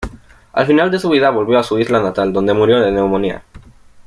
Al final de su vida, volvió a su isla natal, donde murió de neumonía.